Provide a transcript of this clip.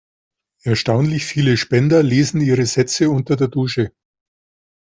Erstaunlich viele Spender lesen ihre Sätze unter der Dusche.